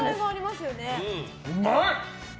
うまい！